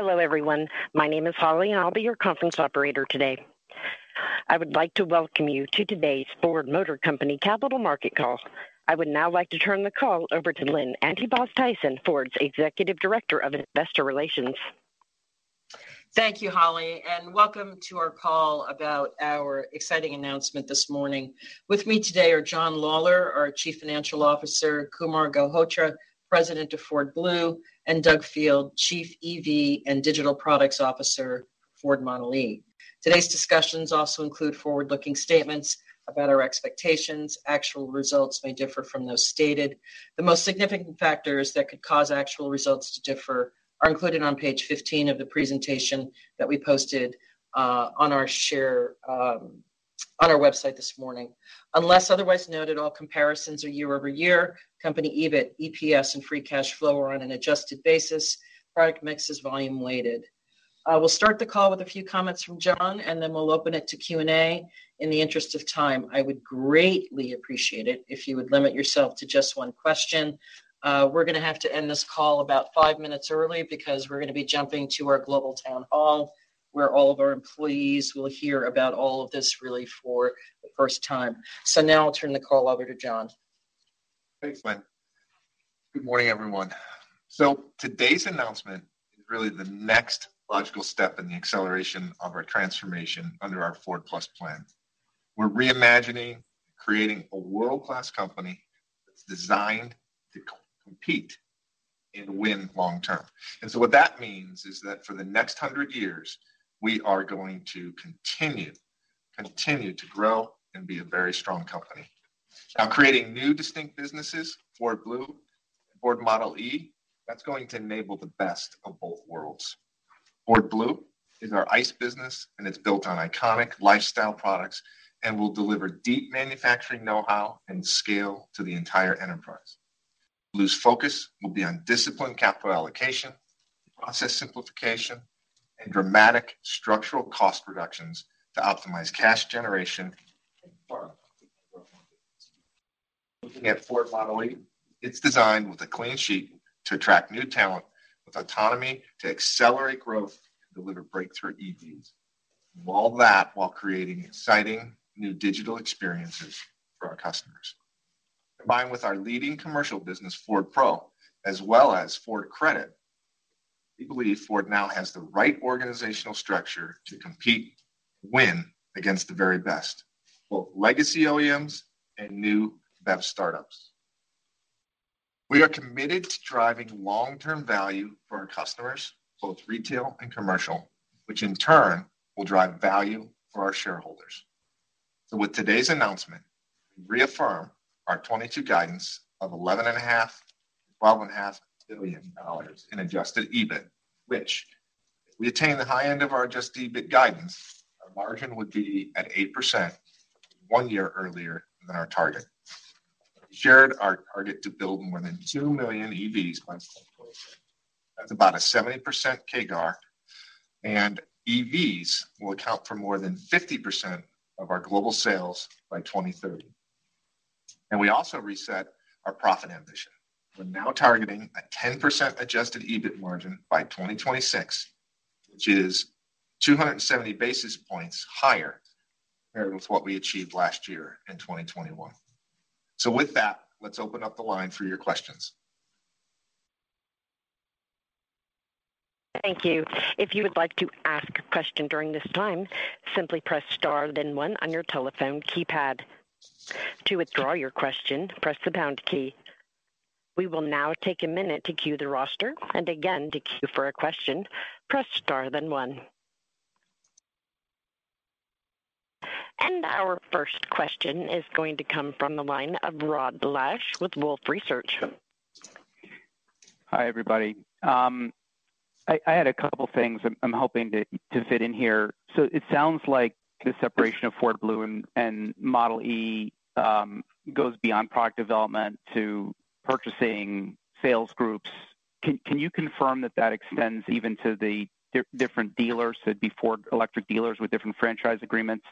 Hello everyone. My name is Holly, and I'll be your conference operator today. I would like to welcome you to today's Ford Motor Company Capital Market Call. I would now like to turn the call over to Lynn Antipas Tyson, Ford's Executive Director of Investor Relations. Thank you, Holly, and welcome to our call about our exciting announcement this morning. With me today are John Lawler, our Chief Financial Officer, Kumar Galhotra, President of Ford Blue, and Doug Field, Chief EV and Digital Products Officer, Ford Model e. Today's discussions also include forward-looking statements about our expectations. Actual results may differ from those stated. The most significant factors that could cause actual results to differ are included on page 15 of the presentation that we posted on our website this morning. Unless otherwise noted, all comparisons are year-over-year. Company EBIT, EPS, and Free Cash Flow are on an adjusted basis. Product mix is volume weighted. We'll start the call with a few comments from John, and then we'll open it to Q&A. In the interest of time, I would greatly appreciate it if you would limit yourself to just one question. We're gonna have to end this call about five minutes early because we're gonna be jumping to our global town hall, where all of our employees will hear about all of this really for the first time. Now I'll turn the call over to John. Thanks, Lynn. Good morning, everyone. Today's announcement is really the next logical step in the acceleration of our transformation under our Ford+ Plan. We're reimagining creating a world-class company that's designed to co-compete and win long term. What that means is that for the next 100 years, we are going to continue to grow and be a very strong company. Now, creating new distinct businesses, Ford Blue, Ford Model e, that's going to enable the best of both worlds. Ford Blue is our ICE business, and it's built on iconic lifestyle products and will deliver deep manufacturing know-how, and scale to the entire enterprise. Blue's focus will be on disciplined capital allocation, process simplification, and dramatic structural cost reductions to optimize cash generation, and profit. Looking at Ford Model e, it's designed with a clean sheet to attract new talent with autonomy to accelerate growth, and deliver breakthrough EVs, and all that while creating exciting new digital experiences for our customers. Combined with our leading commercial business, Ford Pro, as well as Ford Credit, we believe Ford now has the right organizational structure to compete, and win against the very best, both legacy OEMs, and new BEV startups. We are committed to driving long-term value for our customers, both retail, and commercial which in turn will drive value for our shareholders. With today's announcement, we reaffirm our 2022 guidance of $11.5 billion-$12.5 billion in adjusted EBIT, which if we attain the high end of our adjusted EBIT guidance, our margin would be at 8% one year earlier than our target. We shared our target to build more than 2 million EVs by 2024. That's about a 70% CAGR, and EVs will account for more than 50% of our global sales by 2030. We also reset our profit ambition. We're now targeting a 10% adjusted EBIT margin by 2026, which is 270 basis points higher compared with what we achieved last year in 2021. With that, let's open up the line for your questions. Thank you. If you would like to ask a question during this time, simply press star then one on your telephone keypad. To withdraw your question, press the pound key. We will now take a minute to queue the roster. Again, to queue for a question, press star then one. Our first question is going to come from the line of Rod Lache with Wolfe Research. Hi, everybody. I had a couple things I'm hoping to fit in here. It sounds like the separation of Ford Blue and Model e goes beyond product development to purchasing sales groups. Can you confirm that extends even to the different dealers, so it'd be Ford electric dealers with different franchise agreements?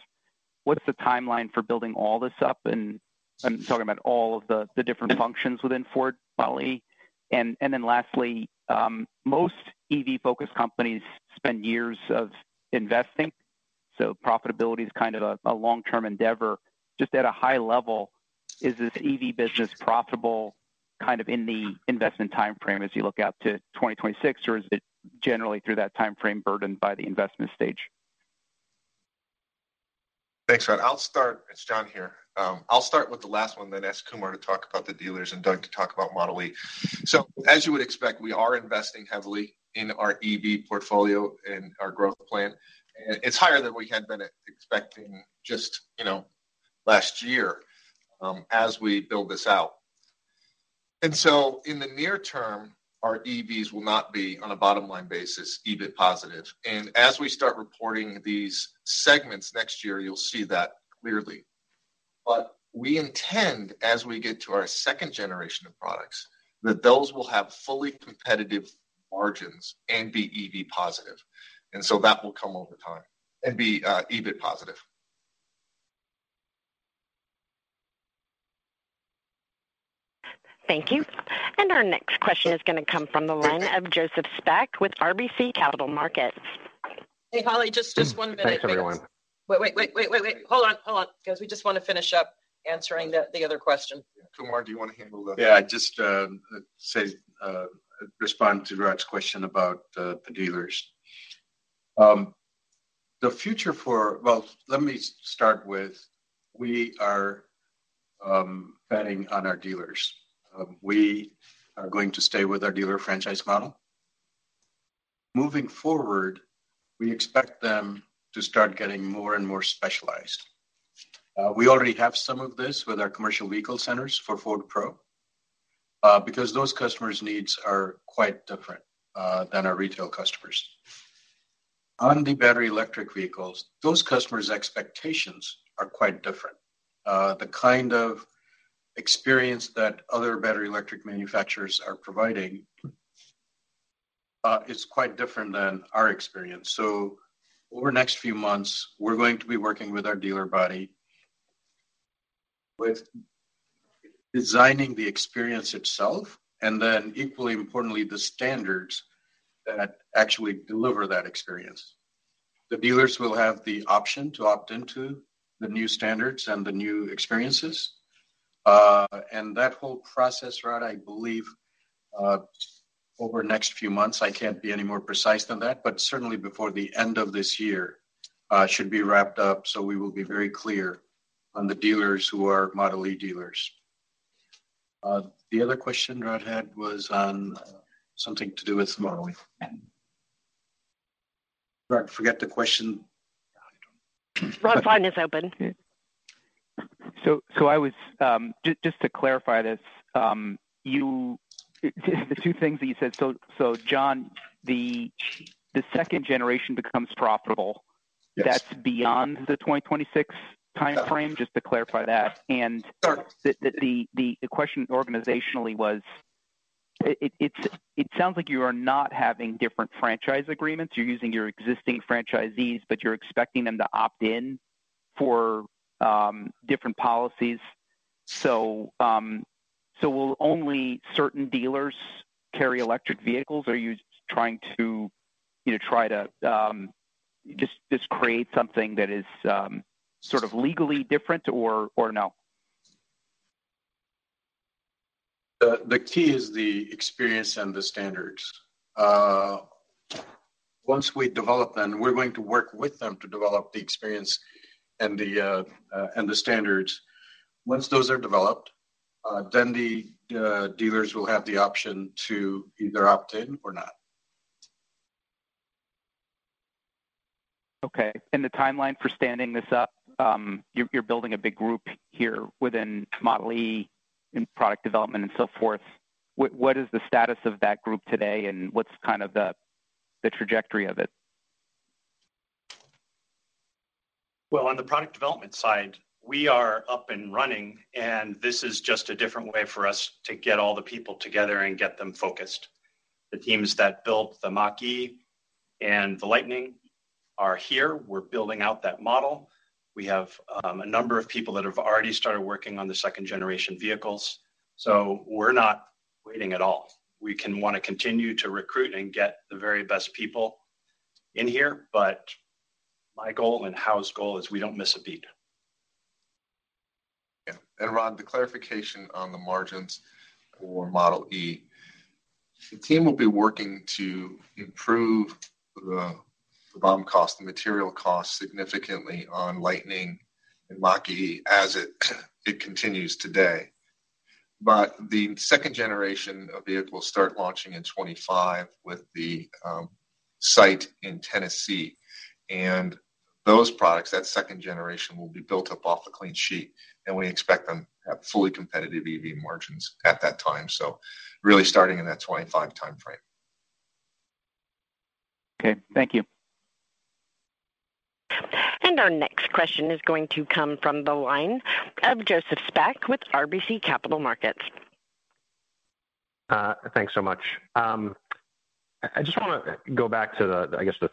What is the timeline for building all this up? I'm talking about all of the different functions within Ford Model e. Lastly, most EV-focused companies spend years of investing, so profitability is kind of a long-term endeavor. Just at a high level, is this EV business profitable kind of in the investment timeframe as you look out to 2026, or is it generally through that timeframe burdened by the investment stage? Thanks, Rod. It's John here. I'll start with the last one, then ask Kumar to talk about the dealers and Doug to talk about Model e. As you would expect, we are investing heavily in our EV portfolio and our growth plan. It's higher than we had been expecting just, you know, last year, as we build this out. In the near term our EVs will not be on a bottom-line basis, EBIT positive. As we start reporting these segments next year, you'll see that clearly. We intend as we get to our second generation of products, that those will have fully competitive margins and be EV positive. That will come over time and be EBIT positive. Thank you. Our next question is gonna come from the line of Joseph Spak with RBC Capital Markets. Hey, Holly, just one minute please. Thanks everyone. Wait. Hold on, 'cause we just wanna finish up answering the other question. Kumar, do you wanna handle that? Yeah. Just respond to Rod's question about the dealers. Well, let me start with, we are betting on our dealers. We are going to stay with our dealer franchise model. Moving forward, we expect them to start getting more and more specialized. We already have some of this with our commercial vehicle centers for Ford Pro, because those customers' needs are quite different than our retail customers. On the battery electric vehicles, those customer's expectations are quite different. The kind of experience that other battery electric manufacturers are providing is quite different than our experience. Over next few months we're going to be working with our dealer body, with designing the experience itself, and then equally importantly the standards that actually deliver that experience. The dealers will have the option to opt into the new standards and the new experiences. That whole process, Rod, I believe, over next few months, I can't be any more precise than that, but certainly before the end of this year, should be wrapped up, so we will be very clear on the dealers who are Model e dealers. The other question Rod had was on something to do with Model e. Rod, forget the question. Rod, line is open. Just to clarify this, the two things that you said. John, the second generation becomes profitable. Yes. That's beyond the 2026 timeframe? Yeah. Just to clarify that. Sure. The question organizationally was, it sounds like you are not having different franchise agreements. You're using your existing franchisees, but you're expecting them to opt in for different policies. Will only certain dealers carry electric vehicles? Are you trying to, you know, try to just create something that is sort of legally different or no? The key is the experience and the standards. Once we develop them, we're going to work with them to develop the experience and the standards. Once those are developed, then the dealers will have the option to either opt in or not. Okay. The timeline for standing this up, you're building a big group here within Model e in product development and so forth. What is the status of that group today, and what's kind of the trajectory of it? Well, on the product development side we are up, and running. And this is just a different way for us to get all the people together, and get them focused. The teams that built the Mach-E, and the Lightning are here. We're building out that model. We have a number of people that have already started working on the second-generation vehicles. We're not waiting at all. We wanna continue to recruit, and get the very best people in here, but my goal, and Hau's goal is we don't miss a beat. Yeah. Rod, the clarification on the margins for Model e, the team will be working to improve. The bottom cost the material cost significantly on Lightning and Mach-E as it continues today. The second-generation of vehicles start launching in 2025 with the site in Tennessee. Those products that second-generation, will be built up off the clean sheet, and we expect them to have fully competitive EV margins at that time. Really starting in that 2025 timeframe. Okay, thank you. Our next question is going to come from the line of Joseph Spak with RBC Capital Markets. Thanks so much. I just wanna go back to the, I guess the. Lost Joe?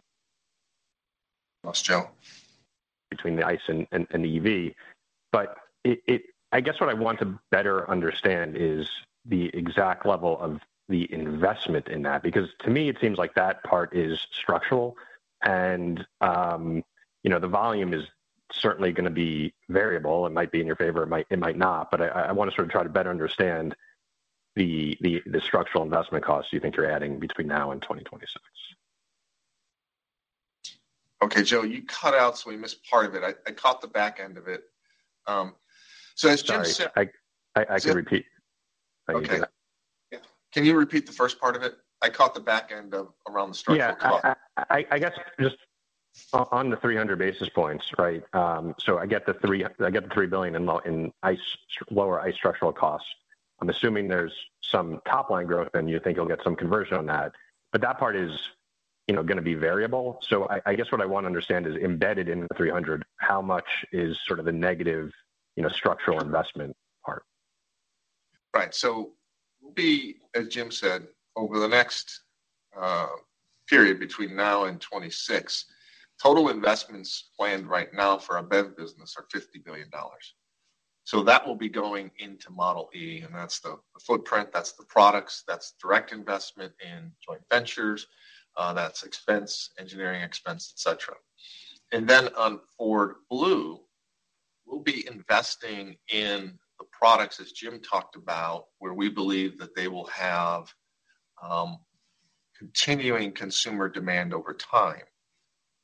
Between the ICE and the EV. I guess what I want to better understand is the exact level of the investment in that. Because to me, it seems like that part is structural? And, you know, the volume is certainly gonna be variable. It might be in your favor, it might not. I wanna sort of try to better understand the structural investment costs you think you're adding between now, and 2026. Okay, Joe, you cut out, so we missed part of it. I caught the back end of it. As Jim said. Sorry, I can repeat. Okay. Yeah. Can you repeat the first part of it? I caught the back end of around the structural cost. Yeah. I guess just on the 300 basis points, right? So I get the $3 billion in lower ICE structural costs. I'm assuming there's some top-line growth, and you think you'll get some conversion on that. But that part is, you know, gonna be variable. So I guess what I wanna understand is embedded in the 300 basis points, how much is sort of the negative, you know, structural investment part? Right. We'll be, as Jim said, over the next. The period between now, and 2026 total investments planned right now for our BEV business are $50 billion. That will be going into Model e, and that's the footprint, that's the products, that's direct investment in joint ventures, that's expense, engineering expense, et cetera. On Ford Blue, we'll be investing in the products, as Jim talked about. Where we believe that they will have continuing consumer demand over time.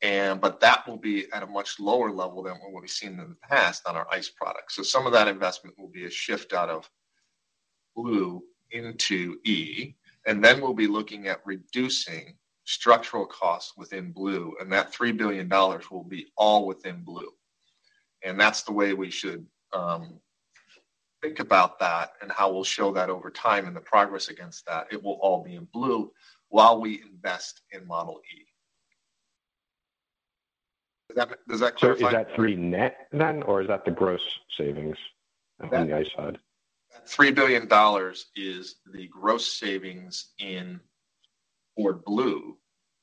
That will be at a much lower level than what we've seen in the past on our ICE products. Some of that investment will be a shift out of Blue into e. We'll be looking at reducing structural costs within Blue, and that $3 billion will be all within Blue. That's the way we should think about that, and how we'll show that over time and the progress against that. It will all be in Blue while we invest in Model E. Does that clarify? Is that three net then, or is that the gross savings on the ICE side? That $3 billion is the gross savings in Ford Blue,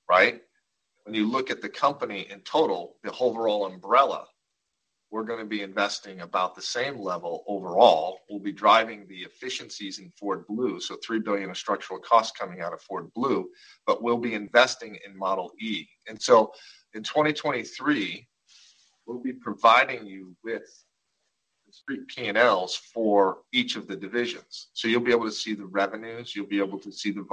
right? When you look at the company in total, the overall umbrella, we're gonna be investing about the same level overall. We'll be driving the efficiencies in Ford Blue, so $3 billion of structural costs coming out of Ford Blue, but we'll be investing in Model e. In 2023 we'll be providing you with discrete P&Ls for each of the divisions. You'll be able to see the revenues, you'll be able to see the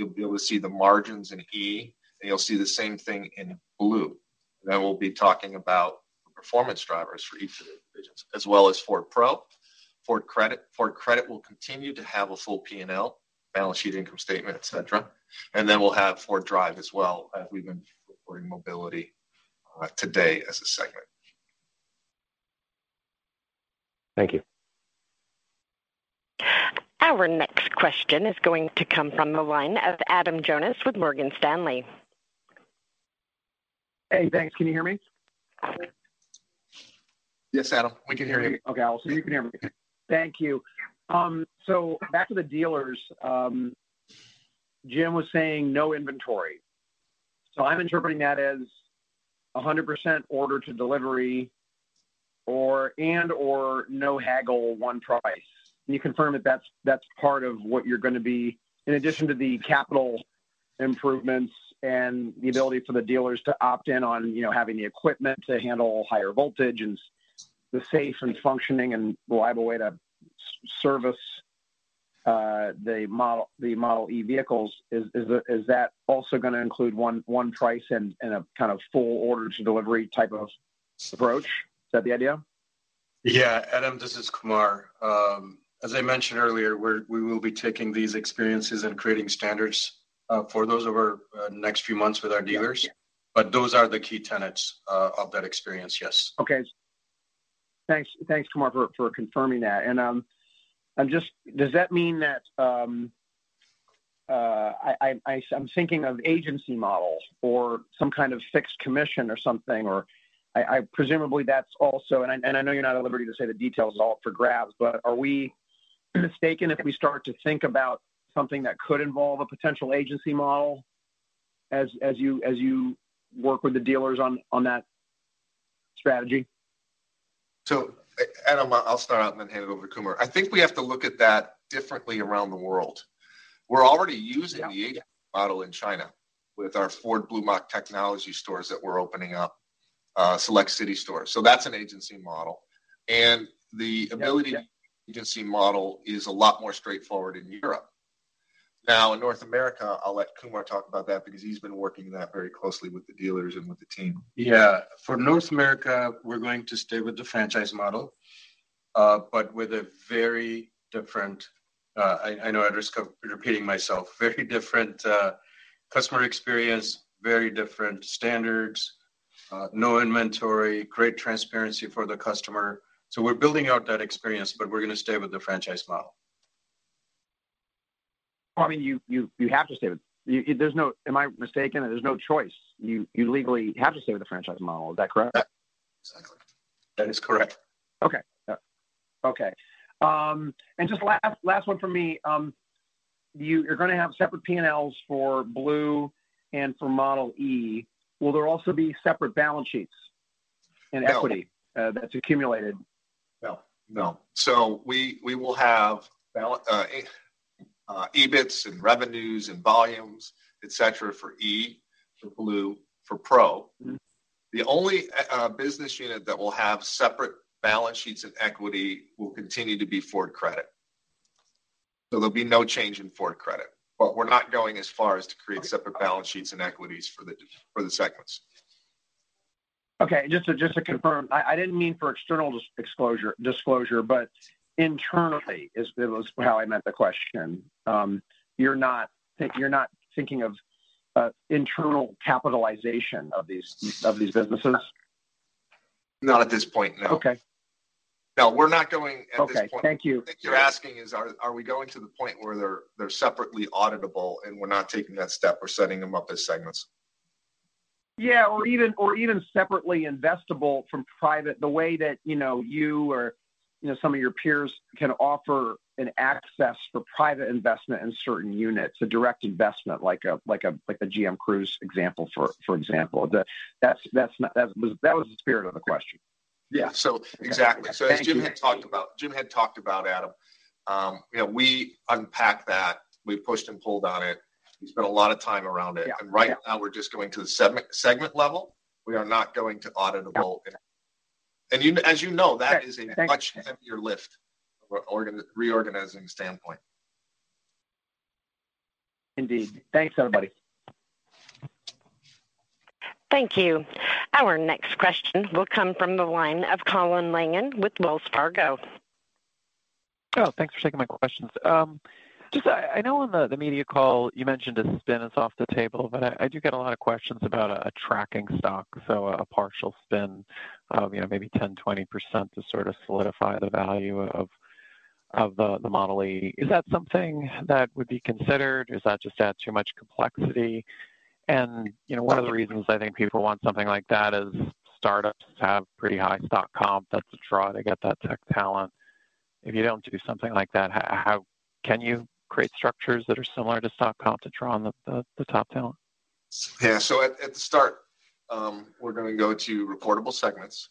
volumes, you'll be able to see the margins in e, and you'll see the same thing in Blue. We'll be talking about the performance drivers for each of the divisions, as well as Ford Pro. Ford Credit will continue to have a full P&L, balance sheet, income statement, et cetera. We'll have Ford Drive as well, as we've been reporting mobility today as a segment. Thank you. Our next question is going to come from the line of Adam Jonas with Morgan Stanley. Hey, thanks. Can you hear me? Yes, Adam, we can hear you. Okay, I'll assume you can hear me. Thank you. Back to the dealers, Jim was saying no inventory. I'm interpreting that as 100% order to delivery or and/or no haggle, one price. Can you confirm that that's part of what you're gonna be. In addition to the capital improvements and the ability for the dealers to opt in on, you know, having the equipment to handle higher voltage. And the safe and functioning and reliable way to service the Model e vehicles. Is that also gonna include one price and a kind of full order to delivery type of approach? Is that the idea? Yeah, Adam, this is Kumar. As I mentioned earlier we will be taking these experiences, and creating standards for those over the next few months with our dealers. Yeah. Those are the key tenets of that experience, yes. Okay. Thanks Kumar for confirming that. Does that mean that, I'm thinking of agency models or some kind of fixed commission or something, or presumably that's also, and I know you're not at liberty to say the details, it's all up for grabs. Are we mistaken if we start to think about something that could involve a potential agency model? As you work with the dealers on that strategy? Adam, I'll start out and then hand it over to Kumar. I think we have to look at that differently around the world. We're already using. Yeah. The agency model in China with our Ford Model e stores that we're opening up, select city stores. That's an agency model. The ability. Yeah. Agency model is a lot more straightforward in Europe. Now, in North America, I'll let Kumar talk about that because he's been working that very closely with the dealers, and with the team. Yeah. For North America, we're going to stay with the franchise model, but with a very different. I know I risk repeating myself, very different customer experience, very different standards, no inventory, great transparency for the customer. We're building out that experience, but we're gonna stay with the franchise model. Well, I mean, am I mistaken? There's no choice. You legally have to stay with the franchise model. Is that correct? That. Exactly. That is correct. Just last one from me. You're gonna have separate P&Ls for Blue, and for Model e. Will there also be separate balance sheets? No. Equity, that's accumulated? No. We will have EBITs, and revenues, and volumes, et cetera, for e, for Blue, for Pro. Mm-hmm. The only business unit that will have separate balance sheets, and equity will continue to be Ford Credit. There'll be no change in Ford Credit, but we're not going as far as to create separate balance sheets, and equities for the segments. Okay. Just to confirm, I didn't mean for external disclosure, but internal disclosure is how I meant the question. You're not thinking of internal capitalization of these businesses? Not at this point, no. Okay. No, we're not going at this point. Okay. Thank you. I think you're asking are we going to the point. Where they're separately auditable, and we're not taking that step. We're setting them up as segments. Yeah, or even separately investable from private, the way that, you know. Some of your peers can offer an access for private investment in certain units. A direct investment like a GM Cruise example, for example. That was the spirit of the question. Yeah. Exactly. Thank you. As Jim had talked about, Adam, you know, we unpacked that, we've pushed and pulled on it. We spent a lot of time around it. Yeah. Right now we're just going to the segment level. We are not going to auditable. No. Even as you know, that is a much heavier lift from a reorganizing standpoint. Indeed. Thanks, everybody. Thank you. Our next question will come from the line of Colin Langan with Wells Fargo. Oh, thanks for taking my questions. Just, I know on the media call you mentioned a spin is off the table. But I do get a lot of questions about a tracking stock. So a partial spin of, you know, maybe 10%-20% to sort of solidify the value of the Model e. Is that something that would be considered, or does that just add too much complexity? You know, one of the reasons I think people want something like that is startups have pretty high stock comp. That's a draw to get that tech talent. If you don't do something like that, how can you create structures that are similar to stock comp to draw on the top talent? Yeah. At the start, we're gonna go to reportable segments,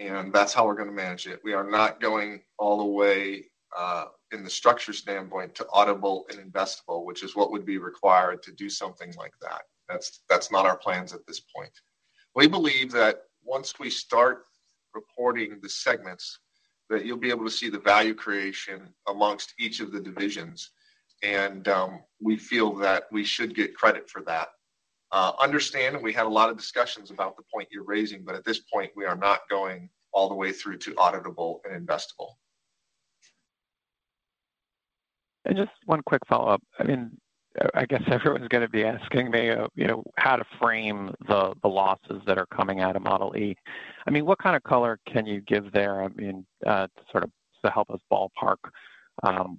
and that's how we're gonna manage it. We are not going all the way in the structure standpoint to auditable, and investable which is what would be required to do something like that. That's not our plans at this point. We believe that once we start reporting the segments, that you'll be able to see the value creation. Amongst each of the divisions, and we feel that we should get credit for that. I understand we had a lot of discussions about the point you're raising, but at this point, we are not going all the way through to auditable, and investable. Just one quick follow-up. I mean, I guess everyone's gonna be asking me, you know, how to frame the losses that are coming out of Model e. I mean, what kind of color can you give there? I mean, to sort of help us ballpark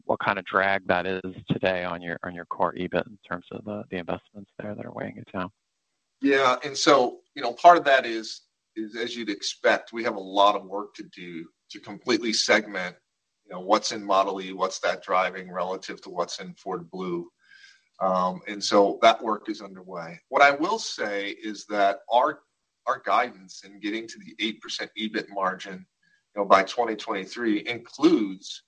what kind of drag that is today on your core EBIT in terms of the investments there that are weighing it down? Yeah. Part of that is, as you'd expect, we have a lot of work to do to completely segment. You know, what's in Model e, what's that driving relative to what's in Ford Blue. That work is underway. What I will say is that our guidance in getting to the 8% EBIT margin, you know, by 2023 includes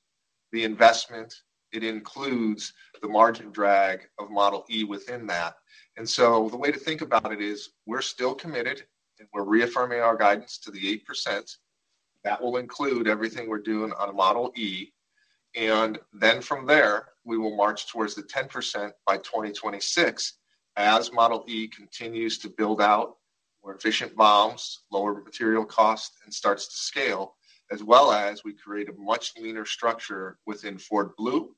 the investment. It includes the margin drag of Model e within that. The way to think about it is we're still committed, and we're reaffirming our guidance to the 8%. That will include everything we're doing on Model e. From there, we will march towards the 10% by 2026. As Model e continues to build out more efficient models, lower material costs, and starts to scale. As well as we create a much leaner structure within Ford Blue,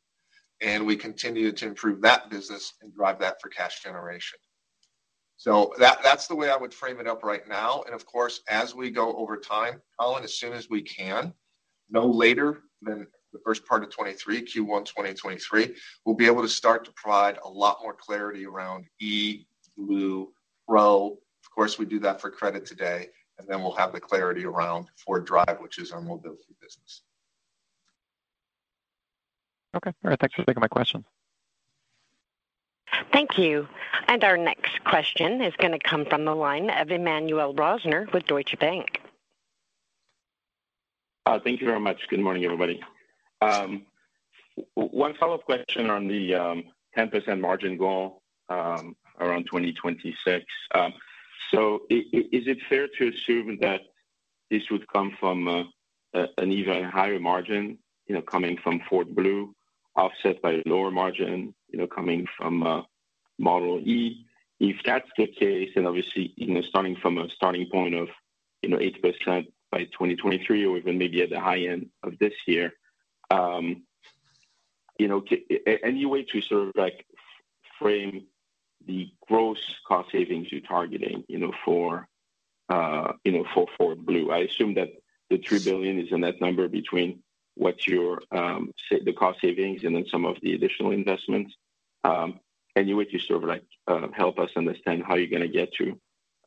and we continue to improve that business ,and drive that for cash generation. That, that's the way I would frame it up right now. Of course, as we go over time, Colin, as soon as we can. No later than the first part of 2023, Q1 2023, we'll be able to start to provide a lot more clarity around e, Blue, Pro. Of course, we do that for credit today, and then we'll have the clarity around Ford Drive, which is our mobility business. Okay. All right. Thanks for taking my question. Thank you. Our next question is gonna come from the line of Emmanuel Rosner with Deutsche Bank. Thank you very much. Good morning, everybody. One follow-up question on the 10% margin goal around 2026. So is it fair to assume that this would come from an even higher margin, you know, coming from Ford Blue, offset by a lower margin, you know, coming from Model e? If that's the case, obviously, you know, starting from a starting point of. You know, 8% by 2023 or even maybe at the high end of this year. You know, any way to sort of like frame the gross cost savings you're targeting, you know, for Ford Blue? I assume that the $3 billion is a net number between the cost savings, and then some of the additional investments. Any way to sort of like help us understand, how you're gonna get to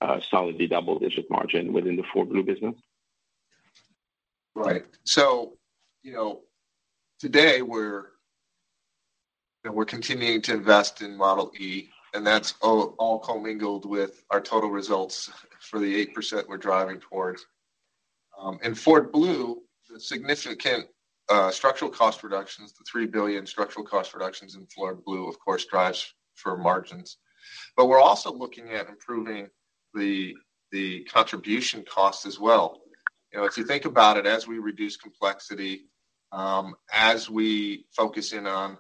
a solidly double-digit margin within the Ford Blue business? Right. You know, today we're continuing to invest in Model e, and that's all co-mingled with our total results for the 8% we're driving towards. In Ford Blue, the significant structural cost reductions, the $3 billion structural cost reductions in Ford Blue, of course, drives the margins. But we're also looking at improving the contribution cost as well. You know, if you think about it, as we reduce complexity, as we focus in on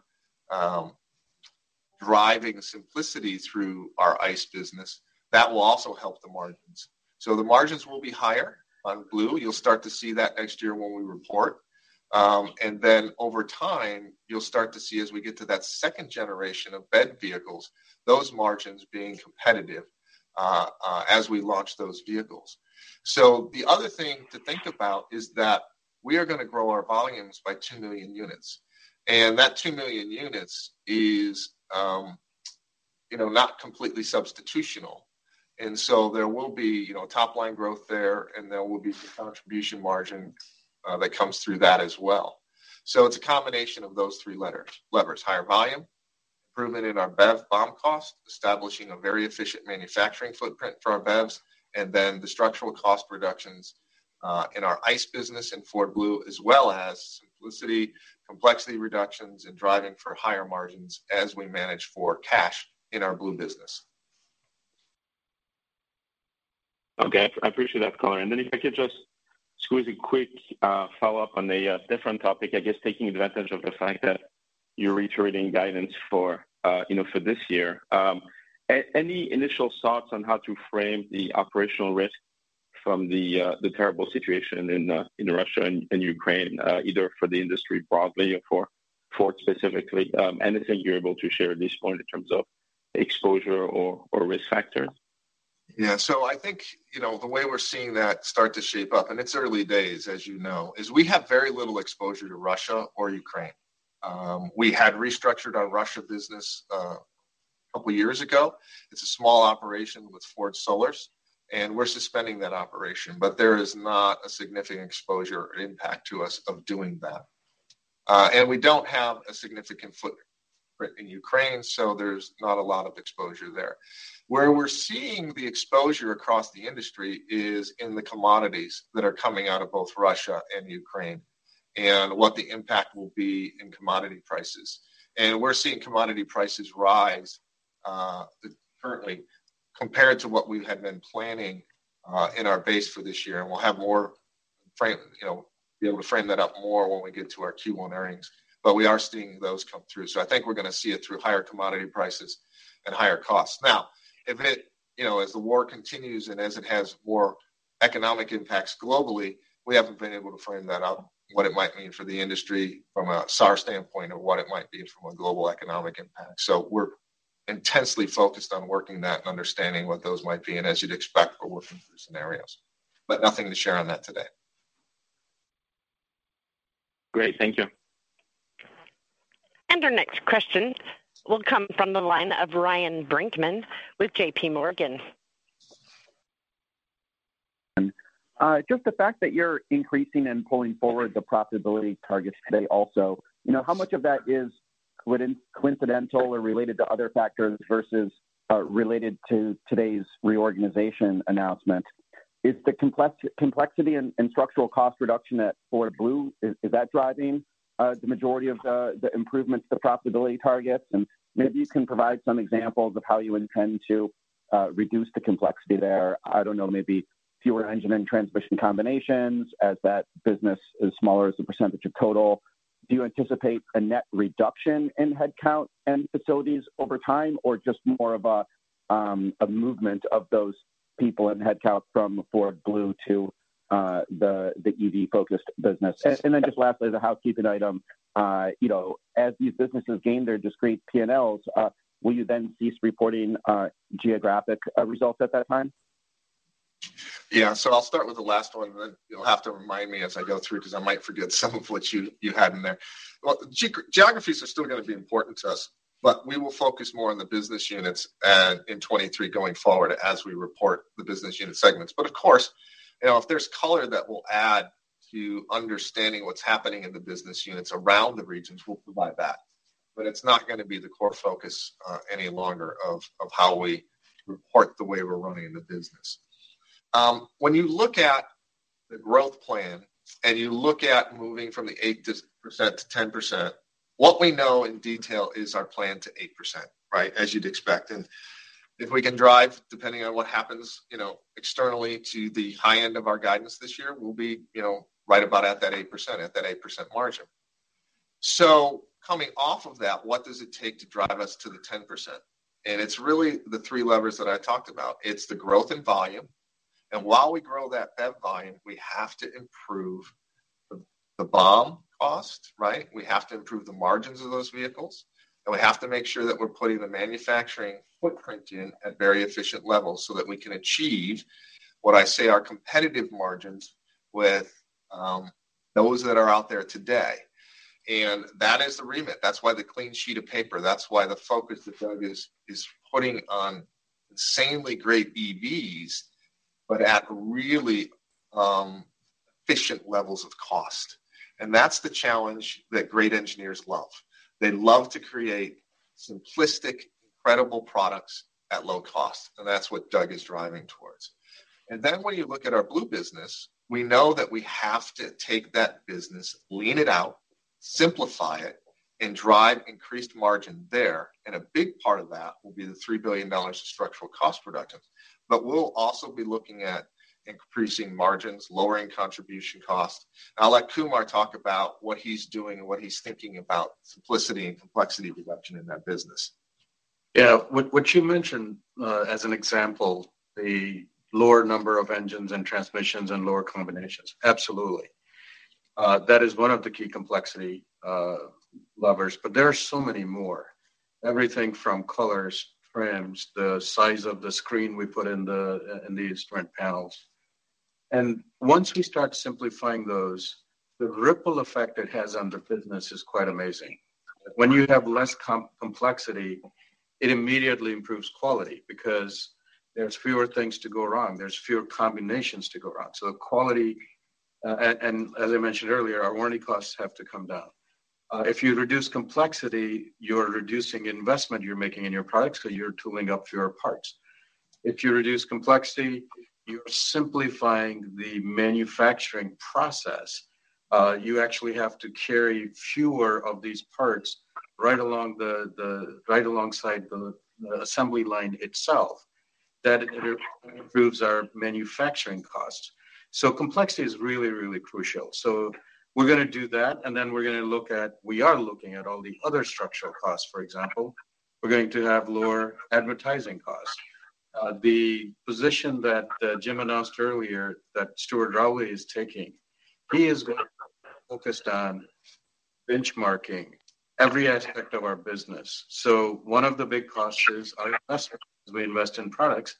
driving simplicity through our ICE business, that will also help the margins. The margins will be higher in Blue. You'll start to see that next year when we report. Then over time, you'll start to see as we get to that second-generation of BEV vehicles. Those margins being competitive, as we launch those vehicles. The other thing to think about is that we are gonna grow our volumes by 2 million units. And that 2 million units is, you know, not completely substitutional. There will be, you know, top-line growth there, and there will be contribution margin that comes through that as well. It's a combination of those three levers, higher volume, improvement in our BEV BOM cost. Establishing a very efficient manufacturing footprint for our BEVs, and then the structural cost reductions in our ICE business in Ford Blue. As well as simplicity, complexity reductions, and driving for higher margins as we manage for cash in our Blue business. Okay. I appreciate that color. Then if I could just squeeze a quick follow-up on a different topic, I guess taking advantage of the fact that you're reiterating guidance for you know for this year. Any initial thoughts on how to frame the operational risk from the terrible situation in Russia, and Ukraine either for the industry broadly or for Ford specifically? Anything you're able to share at this point in terms of exposure or risk factors? Yeah. I think, you know, the way we're seeing that start to shape up, and it's early days, as you know, is we have very little exposure to Russia or Ukraine. We had restructured our Russia business, a couple years ago. It's a small operation with Ford Sollers, and we're suspending that operation. But there is not a significant exposure or impact to us of doing that. We don't have a significant footprint in Ukraine, so there's not a lot of exposure there. Where we're seeing the exposure across the industry is in the commodities that are coming out of both Russia and Ukraine, and what the impact will be in commodity prices. We're seeing commodity prices rise, currently compared to what we had been planning in our base for this year, and we'll have more, you know, be able to frame that up more when we get to our Q1 earnings. We are seeing those come through, so I think we're gonna see it through higher commodity prices and higher costs. Now, you know, as the war continues and as it has more economic impacts globally. We haven't been able to frame that out, what it might mean for the industry from a SAR standpoint or what it might be from a global economic impact. We're intensely focused on working that and understanding what those might be and, as you'd expect, we're working through scenarios. Nothing to share on that today. Great. Thank you. Our next question will come from the line of Ryan Brinkman with J.P. Morgan. Just the fact that you're increasing, and pulling forward the profitability targets today. Also, you know, how much of that is coincidental or related to other factors versus related to today's reorganization announcement? Is the complexity and structural cost reduction at Ford Blue? is that driving the majority of the improvements to profitability targets? Maybe you can provide some examples of how you intend to reduce the complexity there. I don't know, maybe fewer engine, and transmission combinations as that business is smaller as a percentage of total. Do you anticipate a net reduction in headcount, and facilities over time or just more of a movement of those people, and headcount from Ford Blue to the EV-focused business? Just lastly, the housekeeping item, you know, as these businesses gain their discrete P&Ls. Will you then cease reporting geographic results at that time? I'll start with the last one, and then you'll have to remind me as I go through cause I might forget some of what you had in there. Well, geographies are still gonna be important to us. But we will focus more on the business units and in 2023 going forward as we report the business unit segments. But of course, you know, if there's color that will add to understanding what's happening in the business units around the regions. We'll provide that, but it's not gonna be the core focus any longer of how we report the way we're running the business. When you look at the growth plan and you look at moving from the 8%-10%. What we know in detail is our plan to 8%, right? As you'd expect. If we can drive, depending on what happens, you know, externally to the high end of our guidance this year. We'll be, you know, right about at that 8%, at that 8% margin. Coming off of that, what does it take to drive us to the 10%? It's really the three levers that I talked about. It's the growth in volume, and while we grow that BEV volume, we have to improve the BOM cost, right? We have to improve the margins of those vehicles, and we have to make sure that we're putting the manufacturing footprint in at very efficient levels. So that we can achieve what I say are competitive margins with those that are out there today. That is the remit. That's why the clean sheet of paper. That's why the focus that Doug is putting on insanely great EVs, but at really efficient levels of cost. That's the challenge that great engineers love. They love to create simplistic, incredible products at low cost, and that's what Doug is driving towards. Then when you look at our Blue business, we know that we have to take that business, lean it out, simplify it, and drive increased margin there. A big part of that will be the $3 billion of structural cost reductions. We'll also be looking at increasing margins, lowering contribution costs. I'll let Kumar talk about what he's doing and what he's thinking about simplicity, and complexity reduction in that business. Yeah. What you mentioned, as an example. The lower number of engines, and transmissions, and lower combinations, absolutely. That is one of the key complexity levers, but there are so many more. Everything from colors, trims, the size of the screen we put in the in the instrument panels. Once we start simplifying those, the ripple effect it has on the business is quite amazing. When you have less complexity, it immediately improves quality because there's fewer things to go wrong, there's fewer combinations to go wrong. The quality, and as I mentioned earlier, our warranty costs have to come down. If you reduce complexity, you're reducing investment you're making in your products, so you're tooling up fewer parts. If you reduce complexity, you're simplifying the manufacturing process. You actually have to carry fewer of these parts right alongside the assembly line itself. That it improves our manufacturing costs. Complexity is really, really crucial. We're gonna do that, and then we are looking at all the other structural costs, for example. We're going to have lower advertising costs. The position that Jim announced earlier that Stuart Rowley is taking. He is gonna focus on benchmarking every aspect of our business. One of the big costs is our investment as we invest in products.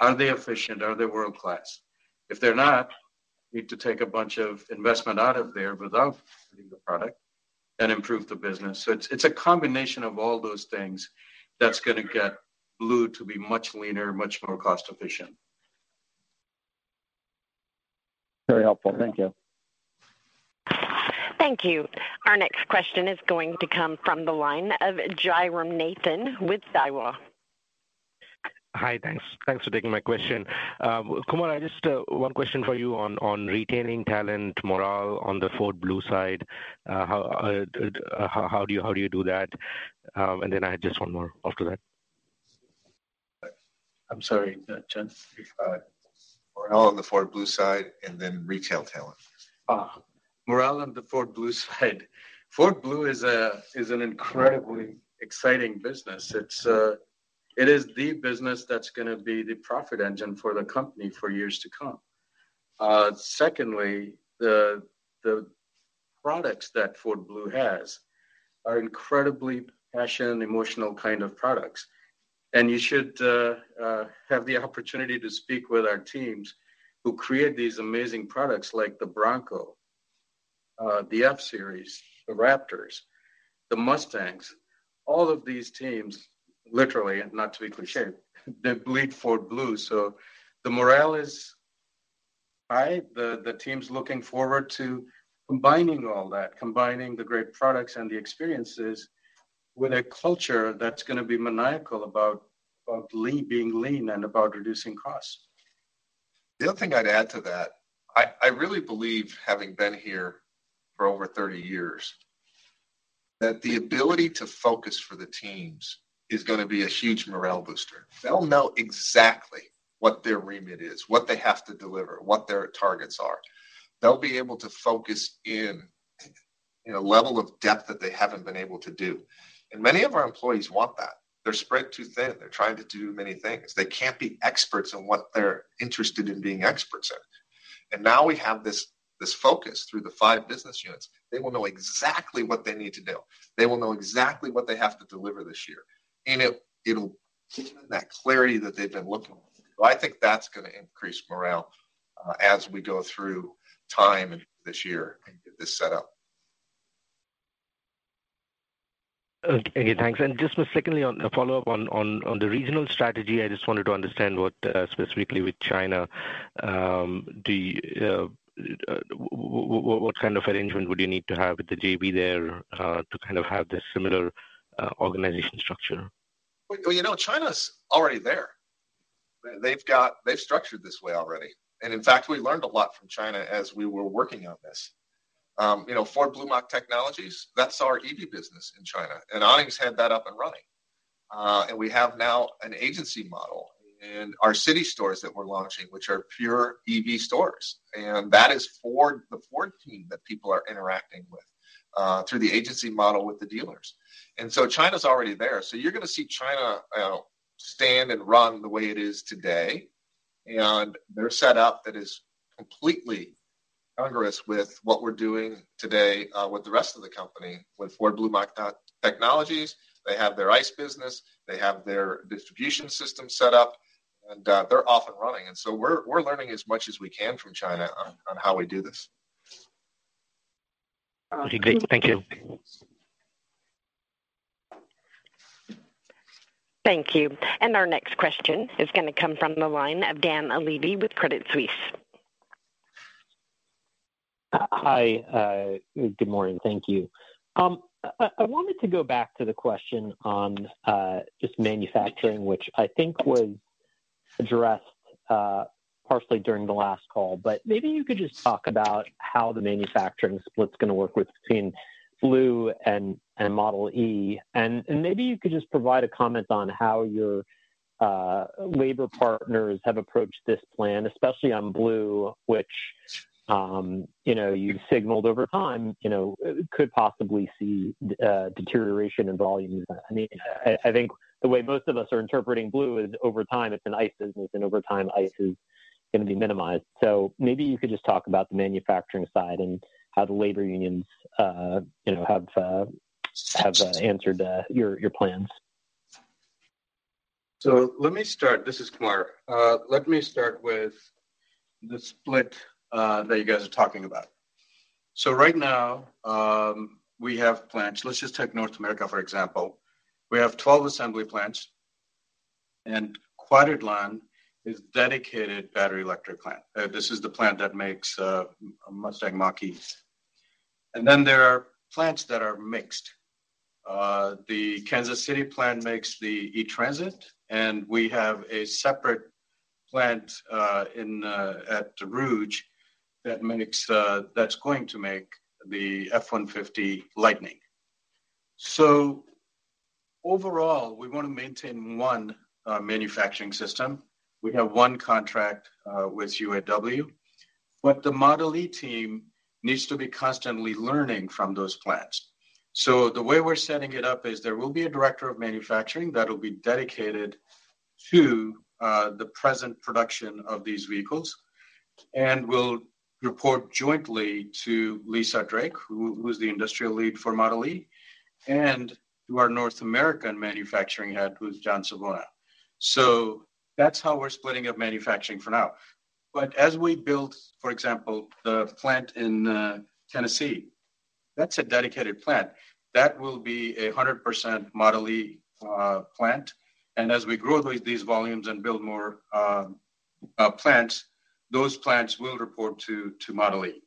Are they efficient? Are they world-class? If they're not, we need to take a bunch of investment out of there without the product and improve the business. It's a combination of all those things that's gonna get Blue to be much leaner, much more cost-efficient. Very helpful. Thank you. Thank you. Our next question is going to come from the line of Jairam Nathan with Daiwa. Hi. Thanks. Thanks for taking my question. Kumar, I just have one question for you on retaining talent morale on the Ford Blue side. How do you do that? I had just one more after that. I'm sorry, Jairam, if. Morale on the Ford Blue side and then retail talent. Morale on the Ford Blue side. Ford Blue is an incredibly exciting business. It is the business that's gonna be the profit engine for the company for years to come. Secondly, the products that Ford Blue has are incredibly passionate, emotional kind of products. You should have the opportunity to speak with our teams who create these amazing products like the Bronco, the F-Series, the Raptor, the Mustang. All of these teams, literally, and not to be cliché, they bleed Ford Blue. The morale is high. The team's looking forward to combining all that, combining the great products and the experiences with a culture that's gonna be maniacal about being lean and about reducing costs. The other thing I'd add to that, I really believe, having been here for over 30 years. That the ability to focus for the teams is gonna be a huge morale booster. They'll know exactly what their remit is, what they have to deliver, what their targets are. They'll be able to focus in a level of depth that they haven't been able to do. Many of our employees want that. They're spread too thin. They're trying to do many things. They can't be experts in what they're interested in being experts in. Now we have this focus through the five business units. They will know exactly what they need to do. They will know exactly what they have to deliver this year, and it'll give them that clarity that they've been looking for. I think that's gonna increase morale, as we go through time this year and get this set up. Okay. Thanks. Just secondly, on a follow-up on the regional strategy, I just wanted to understand, specifically with China, what kind of arrangement would you need to have with the JV there to kind of have this similar organization structure? Well, you know, China's already there. They've structured this way already. In fact, we learned a lot from China as we were working on this. You know, Ford Electric Mach Technologies, that's our EV business in China, and Anning's had that up and running. We have now an agency model in our city stores that we're launching, which are pure EV stores, and that is Ford, the Ford team that people are interacting with, through the agency model with the dealers. China's already there. You're gonna see China, stand and run the way it is today, and their setup that is completely congruous with what we're doing today. With the rest of the company, with Ford Electric Mach Technologies. They have their ICE business, they have their distribution system set up, and they're off and running. We're learning as much as we can from China on how we do this. Okay, great. Thank you. Thank you. Our next question is gonna come from the line of Dan Levy with Credit Suisse. Hi. Good morning. Thank you. I wanted to go back to the question on just manufacturing, which I think was addressed partially during the last call. Maybe you could just talk about how the manufacturing split's gonna work between Blue and Model e. Maybe you could just provide a comment on how your labor partners have approached this plan, especially on Blue. Which you know, you've signaled over time, you know, could possibly see deterioration in volume. I mean, I think the way most of us are interpreting Blue is over time it's an ICE business, and over time ICE is gonna be minimized. Maybe you could just talk about the manufacturing side, and how the labor unions, you know, have answered your plans. Let me start. This is Kumar. Let me start with the split that you guys are talking about. Right now, we have plants. Let's just take North America, for example. We have 12 assembly plants, and Cuautitlán is dedicated battery electric plant. This is the plant that makes Mustang Mach-Es. And then there are plants that are mixed. The Kansas City plant makes the E-Transit, and we have a separate plant in at Rouge that's going to make the F-150 Lightning. Overall, we wanna maintain one manufacturing system. We have one contract with UAW, but the Model e team needs to be constantly learning from those plants. The way we're setting it up is there will be a director of manufacturing that'll be dedicated to the present production of these vehicles. And will report jointly to Lisa Drake, who's the industrial lead for Model e. And to our North American manufacturing head, who's John Savona. That's how we're splitting up manufacturing for now. As we build, for example, the plant in Tennessee, that's a dedicated plant. That will be 100% Model e plant. As we grow these volumes and build more plants, those plants will report to Model e.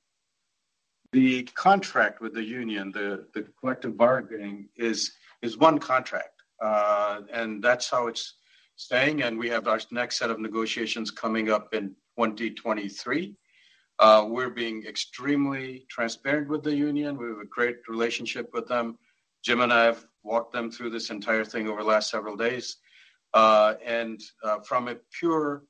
The contract with the union, the collective bargaining is one contract, and that's how it's staying, and we have our next set of negotiations coming up in 2023. We're being extremely transparent with the union. We have a great relationship with them. Jim and I have walked them through this entire thing over the last several days. From a pure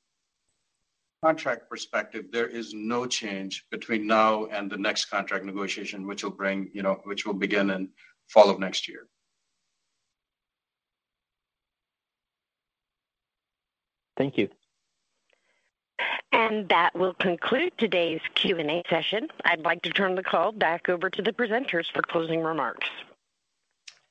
contract perspective, there is no change between now and the next contract negotiation, which, you know, will begin in fall of next year. Thank you. That will conclude today's Q&A session. I'd like to turn the call back over to the presenters for closing remarks.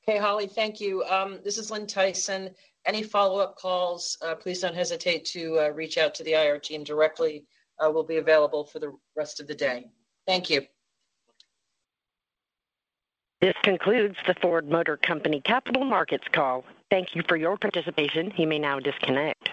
Okay, Holly. Thank you. This is Lynn Tyson. Any follow-up calls, please don't hesitate to reach out to the IR team directly. We'll be available for the rest of the day. Thank you. This concludes the Ford Motor Company Capital Markets call. Thank you for your participation. You may now disconnect.